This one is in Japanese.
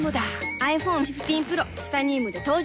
ｉＰｈｏｎｅ１５Ｐｒｏ チタニウムで登場